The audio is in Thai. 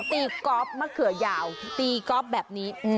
ตีกอล์ฟมะเขือยาวตีกอล์ฟแบบนี้